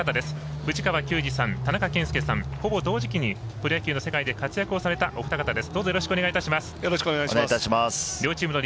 藤川球児さん、田中賢介さんほぼ同時期にプロ野球の世界で活躍されたお二方です。